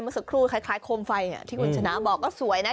สักครู่คล้ายโคมไฟที่คุณชนะบอกก็สวยนะ